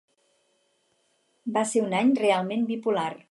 Va ser un any realment bipolar.